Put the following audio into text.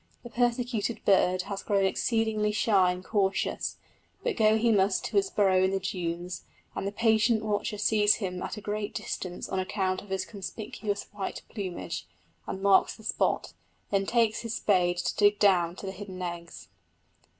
The persecuted bird has grown exceedingly shy and cautious, but go he must to his burrow in the dunes, and the patient watcher sees him at a great distance on account of his conspicuous white plumage, and marks the spot, then takes his spade to dig down to the hidden eggs.